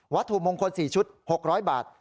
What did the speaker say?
วัตถุมงคล๔ชุด๖๐๐บาท